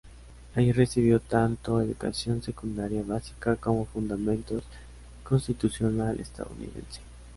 Allí recibió tanto educación secundaria básica como fundamentos constitucional estadounidense.